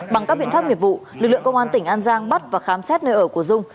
bằng các biện pháp nghiệp vụ lực lượng công an tỉnh an giang bắt và khám xét nơi ở của dung